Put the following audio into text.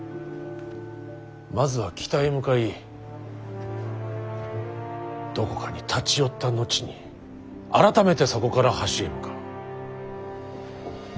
まずは北へ向かいどこかに立ち寄った後に改めてそこから橋へ向かう。